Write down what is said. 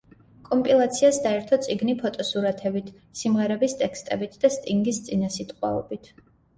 კომპილაციას დაერთო წიგნი ფოტოსურათებით, სიმღერების ტექსტებით და სტინგის წინასიტყვაობით.